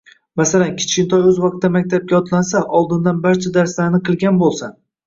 masalan, kichkintoy o‘z vaqtida maktabga otlansa, oldindan barcha darslarini qilgan bo‘lsa